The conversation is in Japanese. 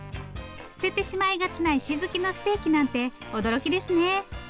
捨ててしまいがちな石づきのステーキなんて驚きですね。